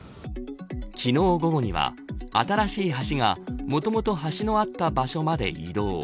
昨日午後には、新しい橋がもともと橋のあった場所まで移動。